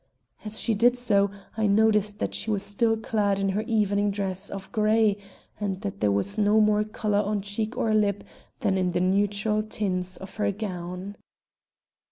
As she did so I noted that she was still clad in her evening dress of gray, and that there was no more color on cheek or lip than in the neutral tints of her gown.